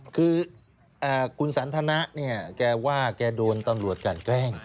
คือคุณสันธนะแกว่าแกโดนตำรวจการแกล้ง